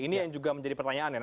ini yang juga menjadi pertanyaannya